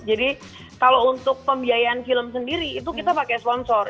jadi kalau untuk pembiayaan film sendiri itu kita pakai sponsor